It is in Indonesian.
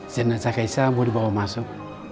jenazah kaisa boleh bawa masuk